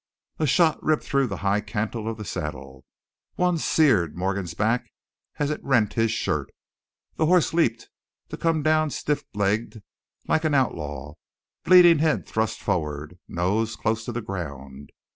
A shot ripped through the high cantle of the saddle; one seared Morgan's back as it rent his shirt. The horse leaped, to come down stiff legged like an outlaw, bleeding head thrust forward, nose close to the ground.